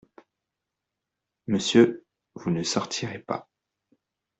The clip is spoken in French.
Monsieur, vous ne sortirez pas.